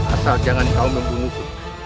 asal jangan kau membungkuk